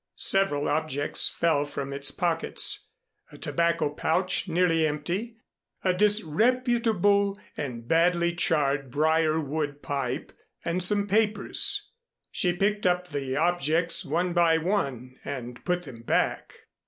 Several objects fell from its pockets a tobacco pouch nearly empty, a disreputable and badly charred briarwood pipe and some papers. She picked up the objects one by one and put them back.